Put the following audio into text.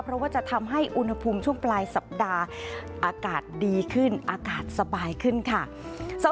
เพราะว่าจะทำให้อุณหภูมิช่วงปลายสัปดาห์อากาศดีขึ้นอากาศสบายขึ้นค่ะ